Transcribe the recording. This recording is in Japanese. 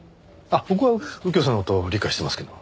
あっ僕は右京さんの事理解してますけど。